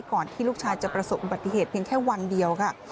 ที่ลูกชายจะประสบอุบัติเหตุเพียงแค่วันเดียวค่ะ